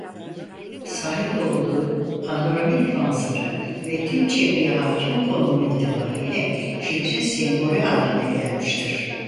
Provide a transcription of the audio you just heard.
Sahip olduğu panoramik manzara ve tüm çevreye hâkim konumu itibarıyla şehrin sembolü hâline gelmiştir.